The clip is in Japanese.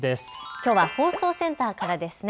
きょうは放送センターからですね。